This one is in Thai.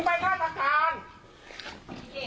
พาพูดคำจาวมึง